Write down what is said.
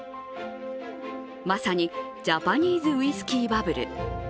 まさにジャパニーズウイスキーバブル。